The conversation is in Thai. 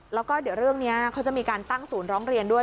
แล้วก็เดี๋ยวเรื่องนี้เขาจะมีการตั้งศูนย์ร้องเรียนด้วย